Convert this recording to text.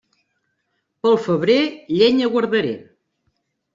Per al febrer, llenya guardaré.